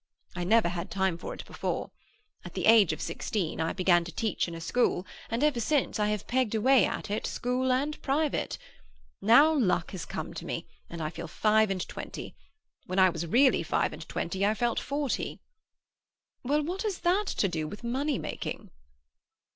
I never had time for it before. At the age of sixteen I began to teach in a school, and ever since I have pegged away at it, school and private. Now luck has come to me, and I feel five and twenty. When I was really five and twenty, I felt forty." "Well, what has that to do with money making?"